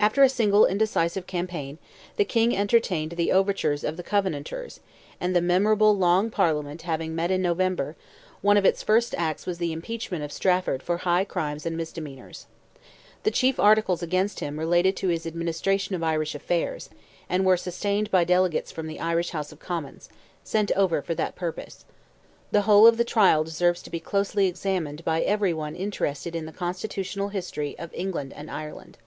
After a single indecisive campaign, the King entertained the overtures of the Covenanters, and the memorable Long Parliament having met in November, one of its first acts was the impeachment of Strafford for high crimes and misdemeanors. The chief articles against him related to his administration of Irish affairs, and were sustained by delegates from the Irish House of Commons, sent over for that purpose: the whole of the trial deserves to be closely examined by every one interested in the constitutional history of England and Ireland.